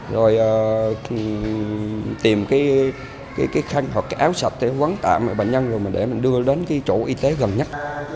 rồi tìm cái khăn hoặc cái áo sạch để quấn tạm bệnh nhân rồi để mình đưa đến chỗ y tế gần nhất